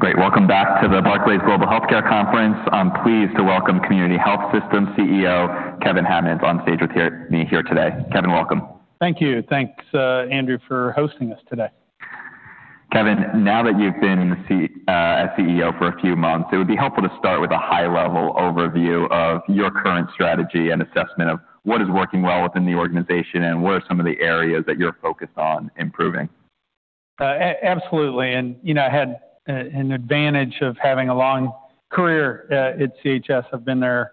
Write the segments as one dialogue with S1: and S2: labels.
S1: Great. Welcome back to the Barclays Global Healthcare Conference. I'm pleased to welcome Community Health Systems CEO, Kevin Hammons, on stage with me here today. Kevin, welcome.
S2: Thank you. Thanks, Andrew, for hosting us today.
S1: Kevin Hammons, now that you've been as CEO for a few months, it would be helpful to start with a high-level overview of your current strategy and assessment of what is working well within the organization and what are some of the areas that you're focused on improving.
S2: Absolutely. You know, I had an advantage of having a long career at CHS. I've been there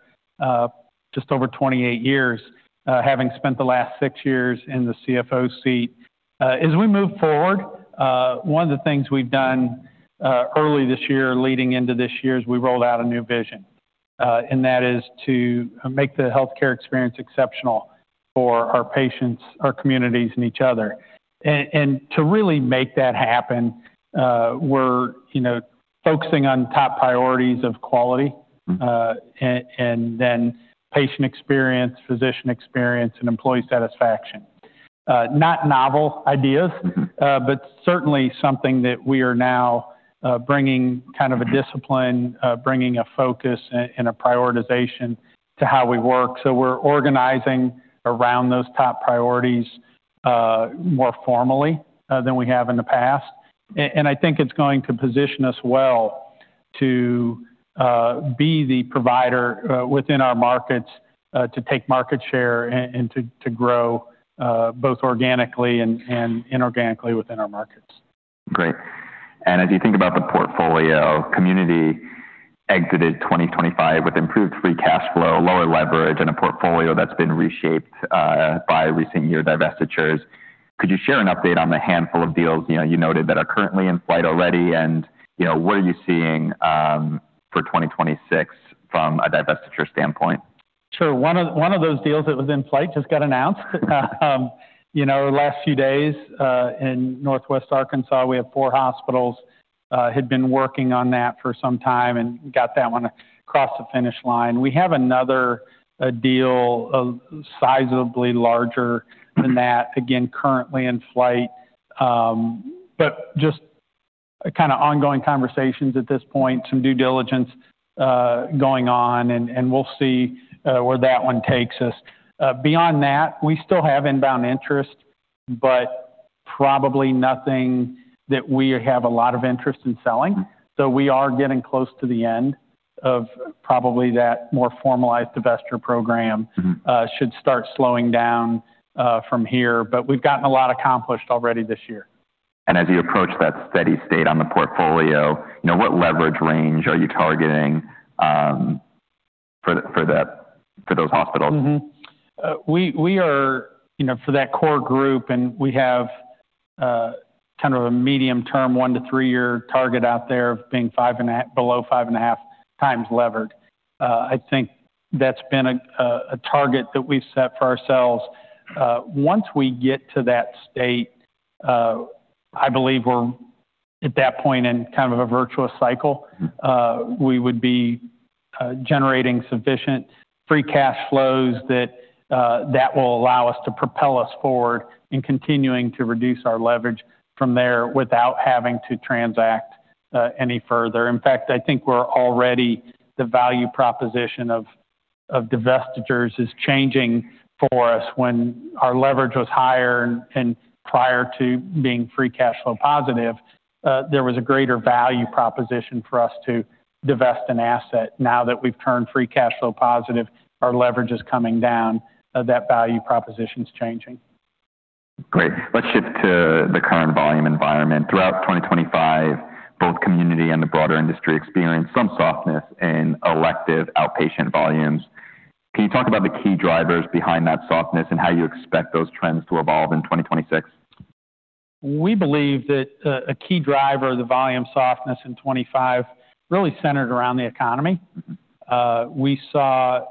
S2: just over 28 years, having spent the last six years in the CFO seat. As we move forward, one of the things we've done early this year, leading into this year, is we rolled out a new vision, and that is to make the healthcare experience exceptional for our patients, our communities and each other. To really make that happen, we're, you know, focusing on top priorities of quality, and then patient experience, physician experience, and employee satisfaction. Not novel ideas, but certainly something that we are now bringing kind of a discipline, bringing a focus and a prioritization to how we work. We're organizing around those top priorities more formally than we have in the past. I think it's going to position us well to be the provider within our markets to take market share and to grow both organically and inorganically within our markets.
S1: Great. As you think about the portfolio, Community exited 2025 with improved free cash flow, lower leverage, and a portfolio that's been reshaped by recent year divestitures. Could you share an update on the handful of deals, you know, you noted that are currently in flight already? You know, what are you seeing for 2026 from a divestiture standpoint?
S2: Sure. One of those deals that was in flight just got announced. You know, last few days, in Northwest Arkansas, we have four hospitals, had been working on that for some time and got that one across the finish line. We have another deal, sizably larger than that, again, currently in flight. But just kind of ongoing conversations at this point, some due diligence going on and we'll see where that one takes us. Beyond that, we still have inbound interest, but probably nothing that we have a lot of interest in selling. We are getting close to the end of probably that more formalized divestiture program.
S1: Mm-hmm
S2: should start slowing down from here. We've gotten a lot accomplished already this year.
S1: As you approach that steady state on the portfolio, you know, what leverage range are you targeting for those hospitals?
S2: We are, you know, for that core group, and we have kind of a medium-term one to three-year target out there of being below 5.5 times levered. I think that's been a target that we've set for ourselves. Once we get to that state, I believe we're at that point in kind of a virtuous cycle. We would be generating sufficient free cash flows that will allow us to propel us forward in continuing to reduce our leverage from there without having to transact any further. In fact, I think the value proposition of divestitures is already changing for us. When our leverage was higher and prior to being free cash flow positive, there was a greater value proposition for us to divest an asset. Now that we've turned free cash flow positive, our leverage is coming down, that value proposition is changing.
S1: Great. Let's shift to the current volume environment. Throughout 2025, both Community and the broader industry experienced some softness in elective outpatient volumes. Can you talk about the key drivers behind that softness and how you expect those trends to evolve in 2026?
S2: We believe that a key driver of the volume softness in 2025 really centered around the economy. We saw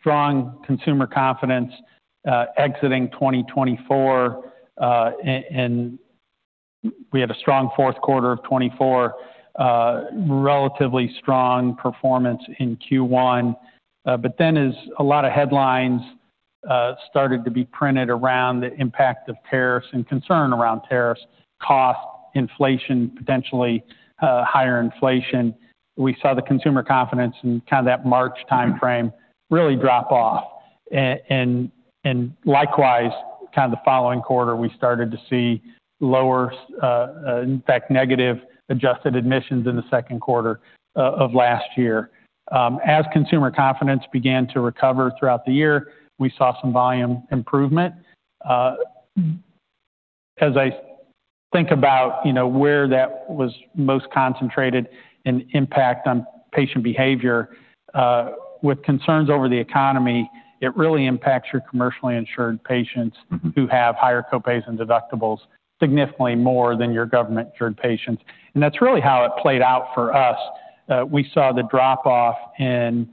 S2: strong consumer confidence exiting 2024, and we had a strong fourth quarter of 2024, relatively strong performance in Q1. As a lot of headlines started to be printed around the impact of tariffs and concern around tariffs, cost inflation, potentially higher inflation, we saw the consumer confidence in kind of that March timeframe really drop off. Likewise, kind of the following quarter, we started to see lower, in fact, negative adjusted admissions in the second quarter of last year. As consumer confidence began to recover throughout the year, we saw some volume improvement. As I think about, you know, where that was most concentrated in impact on patient behavior, with concerns over the economy, it really impacts your commercially insured patients.
S1: Mm-hmm
S2: Who have higher copays and deductibles significantly more than your government insured patients. That's really how it played out for us. We saw the drop-off in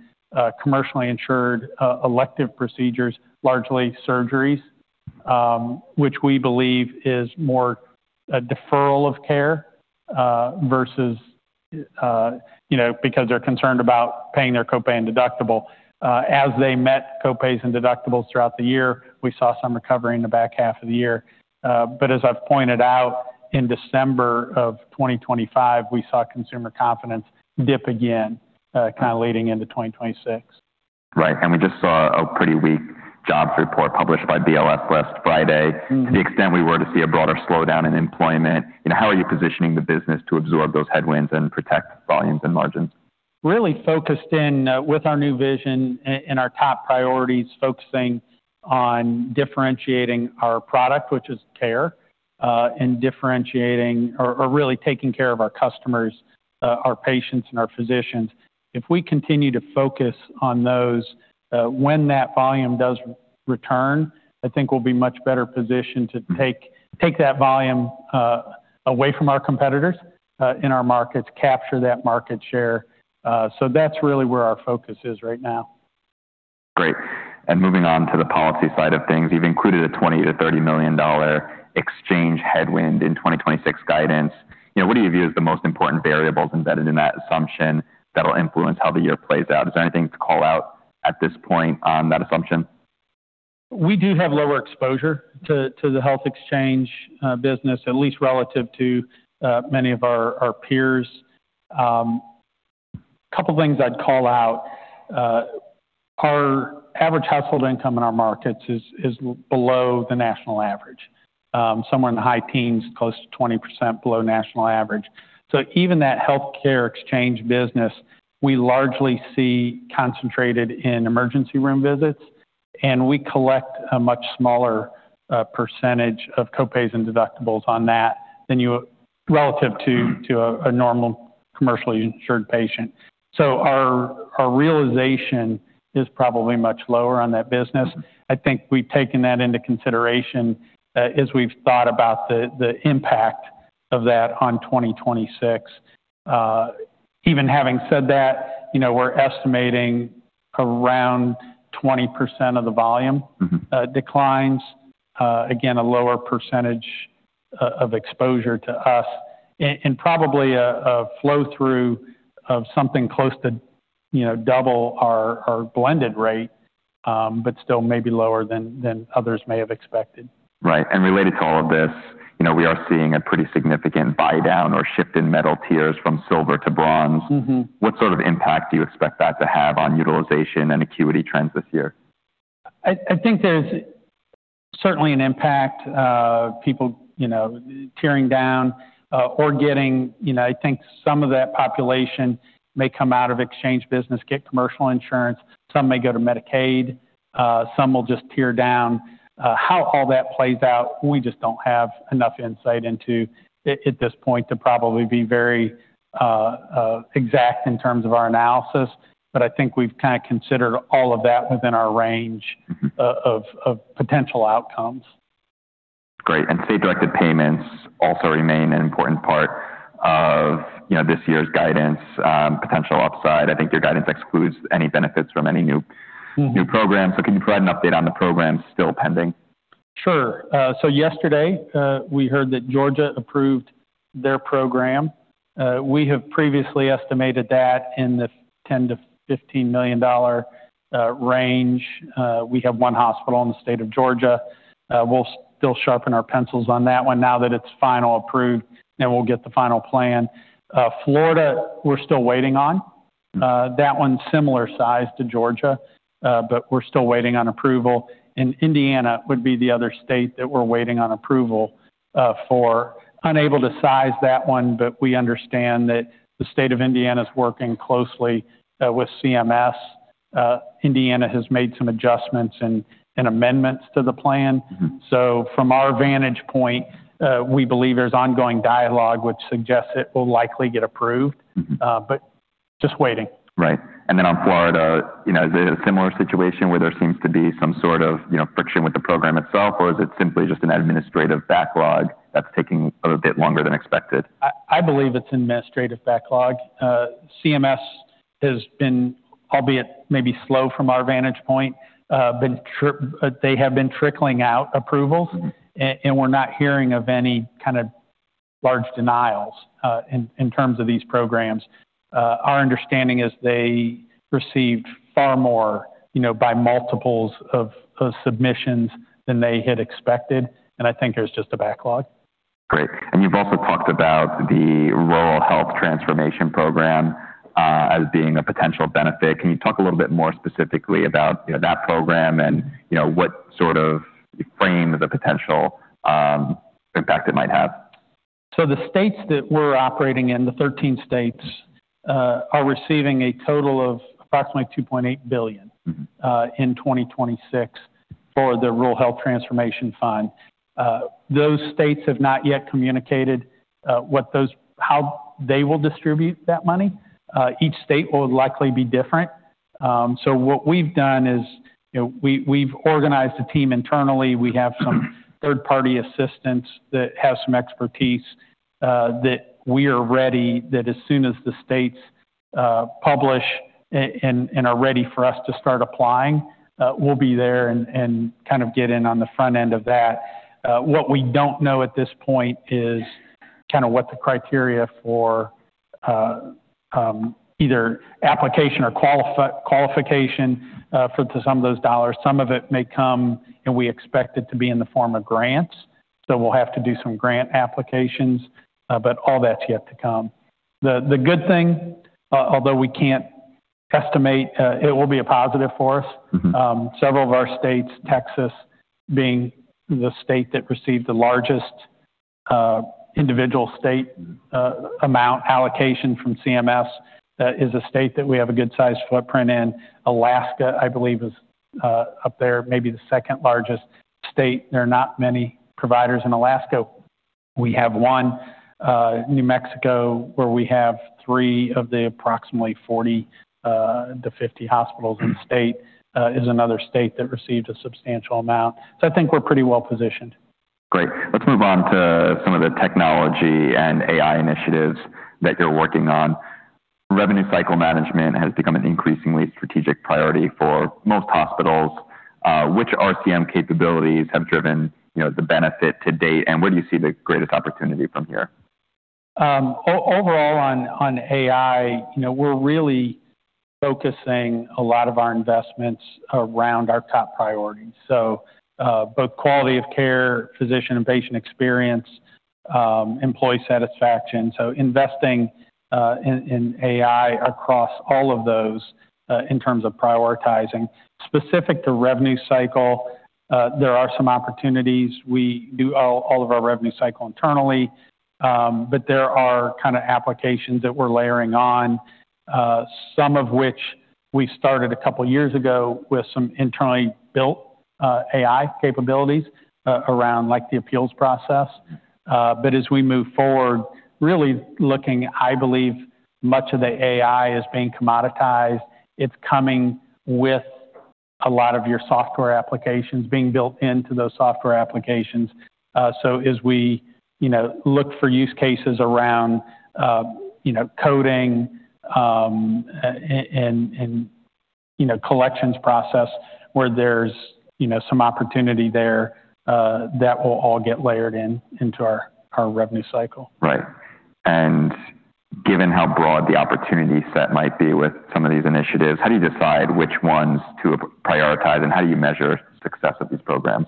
S2: commercially insured elective procedures, largely surgeries, which we believe is more a deferral of care versus you know, because they're concerned about paying their copay and deductible. As they met copays and deductibles throughout the year, we saw some recovery in the back half of the year. As I've pointed out in December of 2025, we saw consumer confidence dip again, kind of leading into 2026.
S1: Right. We just saw a pretty weak jobs report published by BLS last Friday.
S2: Mm-hmm.
S1: To the extent we were to see a broader slowdown in employment, you know, how are you positioning the business to absorb those headwinds and protect volumes and margins?
S2: Really focused in with our new vision and our top priorities, focusing on differentiating our product, which is care, and differentiating or really taking care of our customers, our patients and our physicians. If we continue to focus on those, when that volume does return, I think we'll be much better positioned to take that volume away from our competitors in our markets, capture that market share. That's really where our focus is right now.
S1: Great. Moving on to the policy side of things, you've included a $20 million-$30 million exchange headwind in 2026 guidance. You know, what do you view as the most important variables embedded in that assumption that'll influence how the year plays out? Is there anything to call out at this point on that assumption?
S2: We do have lower exposure to the health exchange business, at least relative to many of our peers. Couple things I'd call out, our average household income in our markets is below the national average, somewhere in the high teens, close to 20% below national average. So even that healthcare exchange business, we largely see concentrated in emergency room visits, and we collect a much smaller percentage of copays and deductibles on that than relative to a normal commercially insured patient. So our realization is probably much lower on that business. I think we've taken that into consideration, as we've thought about the impact of that on 2026. Even having said that, you know, we're estimating around 20% of the volume-
S1: Mm-hmm
S2: Declines, again, a lower percentage of exposure to us and probably a flow-through of something close to, you know, double our blended rate, but still maybe lower than others may have expected.
S1: Right. Related to all of this, you know, we are seeing a pretty significant buy down or shift in metal tiers from silver to bronze.
S2: Mm-hmm.
S1: What sort of impact do you expect that to have on utilization and acuity trends this year?
S2: I think there's certainly an impact, people, you know, tiering down, or getting, you know, I think some of that population may come out of exchange business, get commercial insurance, some may go to Medicaid, some will just tier down. How all that plays out, we just don't have enough insight into it at this point to probably be very exact in terms of our analysis. I think we've kind of considered all of that within our range of potential outcomes.
S1: Great. State-directed payments also remain an important part of, you know, this year's guidance, potential upside. I think your guidance excludes any benefits from any new-
S2: Mm-hmm
S1: programs. Can you provide an update on the programs still pending?
S2: Sure. So yesterday, we heard that Georgia approved their program. We have previously estimated that in the $10 million-$15 million range. We have one hospital in the state of Georgia. We'll still sharpen our pencils on that one now that it's final approved, then we'll get the final plan. Florida, we're still waiting on. That one's similar size to Georgia, but we're still waiting on approval. Indiana would be the other state that we're waiting on approval for. Unable to size that one, but we understand that the state of Indiana is working closely with CMS. Indiana has made some adjustments and amendments to the plan.
S1: Mm-hmm.
S2: From our vantage point, we believe there's ongoing dialogue which suggests it will likely get approved.
S1: Mm-hmm.
S2: Just waiting.
S1: Right. On Florida, you know, is it a similar situation where there seems to be some sort of, you know, friction with the program itself, or is it simply just an administrative backlog that's taking a bit longer than expected?
S2: I believe it's administrative backlog. CMS has been, albeit maybe slow from our vantage point, they have been trickling out approvals, and we're not hearing of any kind of large denials in terms of these programs. Our understanding is they received far more, you know, by multiples of submissions than they had expected, and I think there's just a backlog.
S1: Great. You've also talked about the Rural Health Transformation Program as being a potential benefit. Can you talk a little bit more specifically about, you know, that program and, you know, what sort of frame the potential impact it might have?
S2: The states that we're operating in, the 13 states, are receiving a total of approximately $2.8 billion
S1: Mm-hmm
S2: In 2026 for the Rural Health Transformation Fund. Those states have not yet communicated how they will distribute that money. Each state will likely be different. What we've done is, you know, we've organized a team internally. We have some third-party assistants that have some expertise that we are ready as soon as the states publish and are ready for us to start applying, we'll be there and kind of get in on the front end of that. What we don't know at this point is kind of what the criteria for either application or qualification for some of those dollars. Some of it may come, and we expect it to be in the form of grants, so we'll have to do some grant applications. All that's yet to come. The good thing, although we can't estimate, it will be a positive for us.
S1: Mm-hmm.
S2: Several of our states, Texas being the state that received the largest individual state amount allocation from CMS, is a state that we have a good sized footprint in. Alaska, I believe, is up there, maybe the second-largest state. There are not many providers in Alaska. We have one. New Mexico, where we have three of the approximately 40-50 hospitals in the state, is another state that received a substantial amount. I think we're pretty well-positioned.
S1: Great. Let's move on to some of the technology and AI initiatives that you're working on. Revenue cycle management has become an increasingly strategic priority for most hospitals. Which RCM capabilities have driven, you know, the benefit to date, and where do you see the greatest opportunity from here?
S2: Overall on AI, you know, we're really focusing a lot of our investments around our top priorities. Both quality of care, physician and patient experience, employee satisfaction, so investing in AI across all of those in terms of prioritizing. Specific to revenue cycle, there are some opportunities. We do all of our revenue cycle internally, but there are kind of applications that we're layering on, some of which we started a couple years ago with some internally built AI capabilities around, like, the appeals process. As we move forward, really looking, I believe much of the AI is being commoditized. It's coming with a lot of your software applications, being built into those software applications. As we, you know, look for use cases around, you know, coding and, you know, collections process where there's, you know, some opportunity there, that will all get layered in into our revenue cycle.
S1: Right. Given how broad the opportunity set might be with some of these initiatives, how do you decide which ones to prioritize, and how do you measure success of these programs?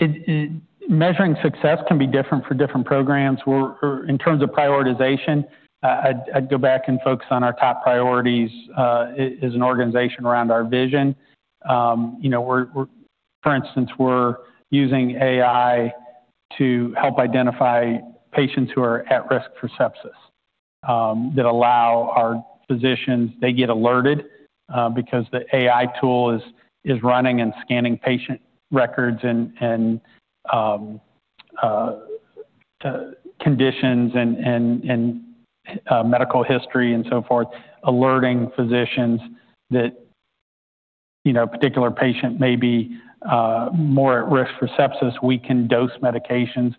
S2: Measuring success can be different for different programs. In terms of prioritization, I'd go back and focus on our top priorities as an organization around our vision. You know, for instance, we're using AI to help identify patients who are at risk for sepsis that allow our physicians they get alerted because the AI tool is running and scanning patient records and conditions and medical history and so forth, alerting physicians that you know a particular patient may be more at risk for sepsis. We can dose medications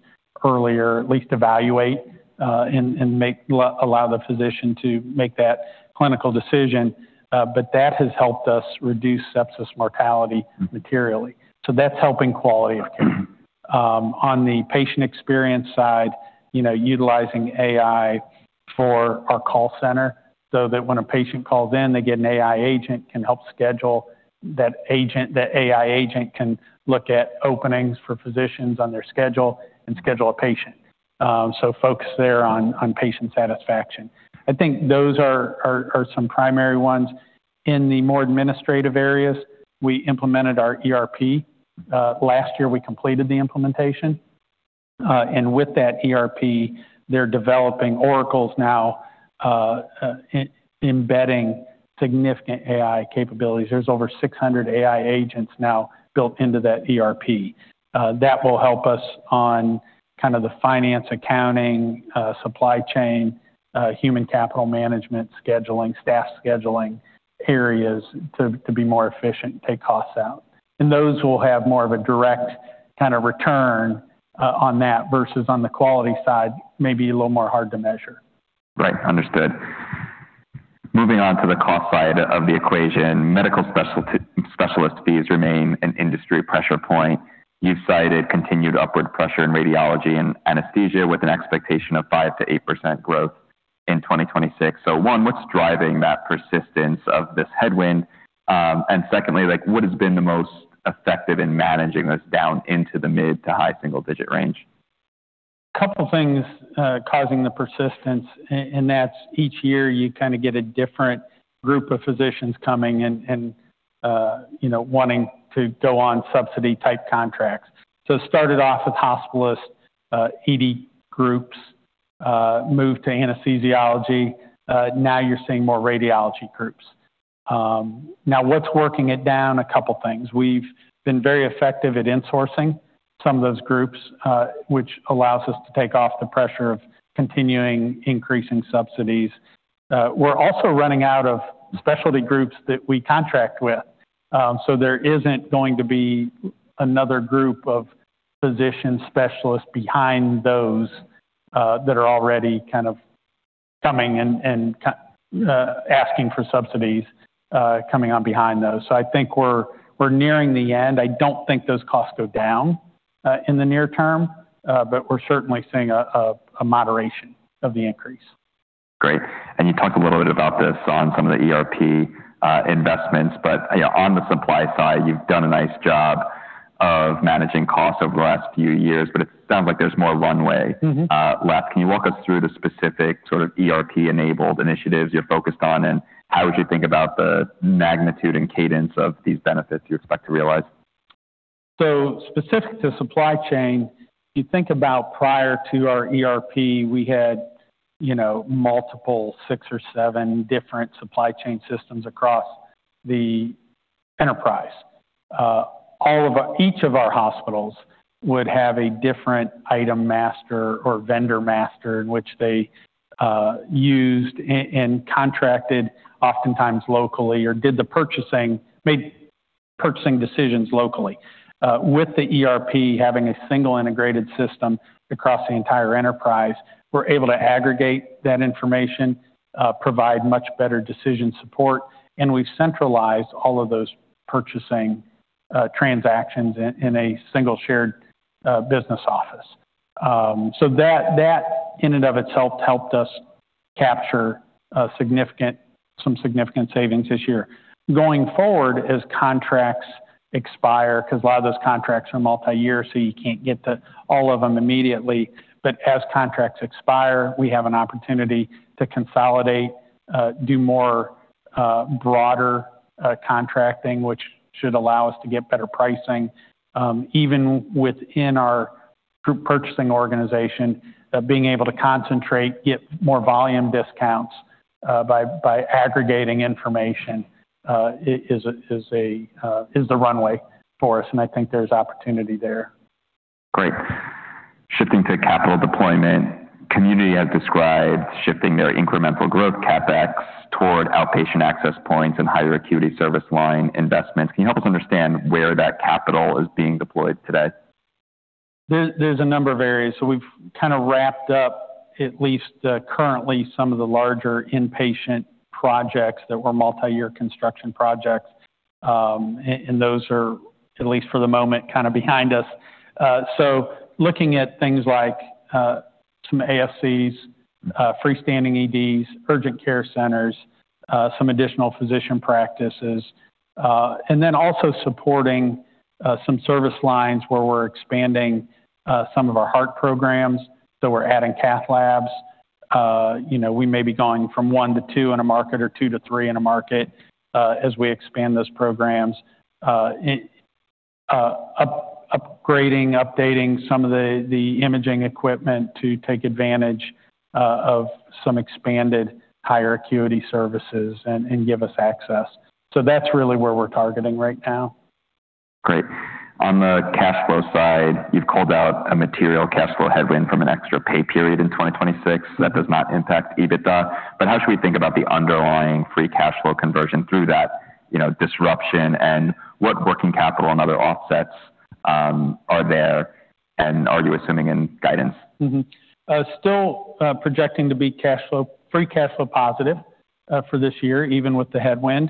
S2: earlier, at least evaluate and allow the physician to make that clinical decision. That has helped us reduce sepsis mortality materially. That's helping quality of care. On the patient experience side, you know, utilizing AI for our call center so that when a patient calls in, they get an AI agent, can help schedule. That agent, that AI agent can look at openings for physicians on their schedule and schedule a patient. So focus there on patient satisfaction. I think those are some primary ones. In the more administrative areas, we implemented our ERP. Last year we completed the implementation. And with that ERP, they're developing. Oracle's now embedding significant AI capabilities. There's over 600 AI agents now built into that ERP. That will help us on kind of the finance, accounting, supply chain, human capital management, scheduling, staff scheduling areas to be more efficient and take costs out. Those will have more of a direct kind of return on that versus on the quality side, maybe a little more hard to measure.
S1: Right. Understood. Moving on to the cost side of the equation, medical specialist fees remain an industry pressure point. You've cited continued upward pressure in radiology and anesthesia with an expectation of 5%-8% growth in 2026. One, what's driving that persistence of this headwind? And secondly, like, what has been the most effective in managing this down into the mid- to high-single-digit range?
S2: A couple things causing the persistence, and that's each year you kind of get a different group of physicians coming and you know wanting to go on subsidy type contracts. It started off with hospitalist ED groups, moved to anesthesiology, now you're seeing more radiology groups. Now what's working it down? A couple things. We've been very effective at insourcing some of those groups, which allows us to take off the pressure of continuing increasing subsidies. We're also running out of specialty groups that we contract with, so there isn't going to be another group of physician specialists behind those that are already kind of coming and asking for subsidies, coming on behind those. I think we're nearing the end. I don't think those costs go down in the near term, but we're certainly seeing a moderation of the increase.
S1: Great. You talked a little bit about this on some of the ERP investments, but yeah, on the supply side, you've done a nice job of managing costs over the last few years, but it sounds like there's more runway.
S2: Mm-hmm
S1: Left. Can you walk us through the specific sort of ERP-enabled initiatives you're focused on, and how would you think about the magnitude and cadence of these benefits you expect to realize?
S2: Specific to supply chain, you think about prior to our ERP, we had multiple, six or seven different supply chain systems across the enterprise. Each of our hospitals would have a different item master or vendor master in which they used and contracted oftentimes locally or did the purchasing, made purchasing decisions locally. With the ERP having a single integrated system across the entire enterprise, we're able to aggregate that information, provide much better decision support, and we've centralized all of those purchasing transactions in a single shared business office. That in and of itself helped us capture significant savings this year. Going forward, as contracts expire, because a lot of those contracts are multi-year, so you can't get all of them immediately. As contracts expire, we have an opportunity to consolidate, do more, broader, contracting, which should allow us to get better pricing. Even within our group purchasing organization, being able to concentrate, get more volume discounts, by aggregating information, is the runway for us, and I think there's opportunity there.
S1: Great. Shifting to capital deployment, Community has described shifting their incremental growth CapEx toward outpatient access points and higher acuity service line investments. Can you help us understand where that capital is being deployed today?
S2: There's a number of areas. We've kind of wrapped up at least currently some of the larger inpatient projects that were multi-year construction projects. Those are, at least for the moment, kind of behind us. Looking at things like some ASCs, freestanding EDs, urgent care centers, some additional physician practices, and then also supporting some service lines where we're expanding some of our heart programs. We're adding cath labs. You know, we may be going from one to two in a market or two to three in a market, as we expand those programs. Upgrading, updating some of the imaging equipment to take advantage of some expanded higher acuity services and give us access. That's really where we're targeting right now.
S1: Great. On the cash flow side, you've called out a material cash flow headwind from an extra pay period in 2026. That does not impact EBITDA. How should we think about the underlying free cash flow conversion through that, you know, disruption, and what working capital and other offsets are there, and are you assuming in guidance?
S2: Still projecting to be free cash flow positive for this year, even with the headwind.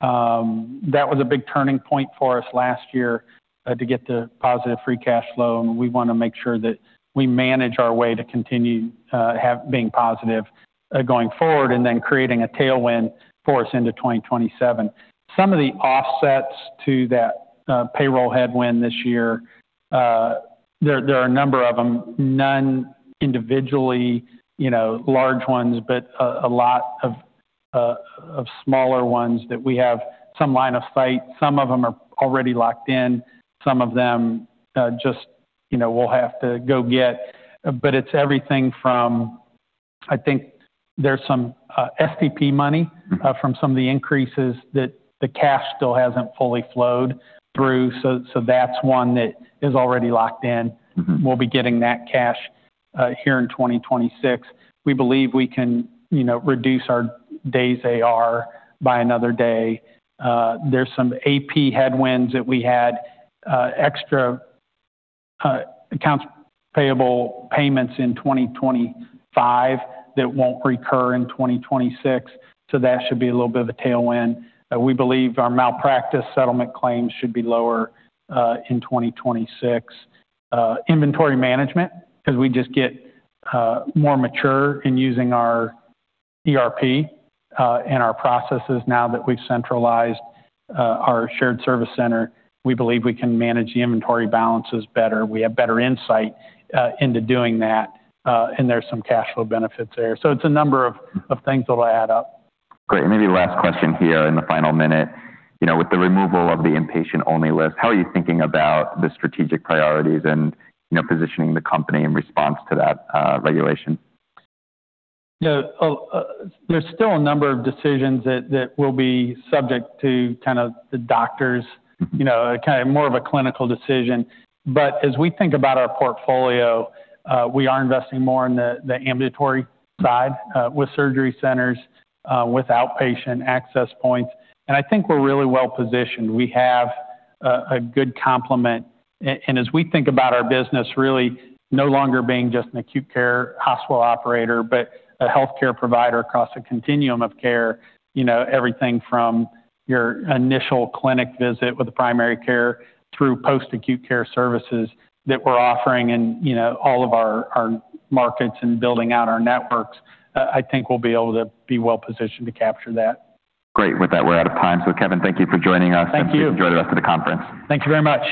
S2: That was a big turning point for us last year to get to positive free cash flow, and we want to make sure that we manage our way to continue being positive going forward, and then creating a tailwind for us into 2027. Some of the offsets to that payroll headwind this year, there are a number of them. None individually, you know, large ones, but a lot of smaller ones that we have some line of sight. Some of them are already locked in. Some of them just, you know, we'll have to go get. It's everything from, I think there's some SDP money.
S1: Mm-hmm
S2: From some of the increases that the cash still hasn't fully flowed through. That's one that is already locked in.
S1: Mm-hmm.
S2: We'll be getting that cash here in 2026. We believe we can, you know, reduce our Days AR by another day. There's some AP headwinds that we had, extra accounts payable payments in 2025 that won't recur in 2026, so that should be a little bit of a tailwind. We believe our malpractice settlement claims should be lower in 2026. Inventory management, because we just get more mature in using our ERP and our processes now that we've centralized our shared service center. We believe we can manage the inventory balances better. We have better insight into doing that, and there's some cash flow benefits there. It's a number of things that'll add up.
S1: Great. Maybe last question here in the final minute. You know, with the removal of the Inpatient-Only List, how are you thinking about the strategic priorities and, you know, positioning the company in response to that regulation?
S2: Yeah. There's still a number of decisions that will be subject to kind of the doctors, you know, kind of more of a clinical decision. As we think about our portfolio, we are investing more in the ambulatory side, with surgery centers, with outpatient access points. I think we're really well-positioned. We have a good complement. As we think about our business really no longer being just an acute care hospital operator, but a healthcare provider across a continuum of care, you know, everything from your initial clinic visit with the primary care through post-acute care services that we're offering and, you know, all of our markets and building out our networks, I think we'll be able to be well-positioned to capture that.
S1: Great. With that, we're out of time. Kevin, thank you for joining us.
S2: Thank you.
S1: Enjoy the rest of the conference.
S2: Thank you very much.